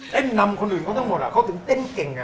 เต้นนำคนอื่นเขาทั้งหมดอ่ะเขาถึงเต้นเก่งอ่ะ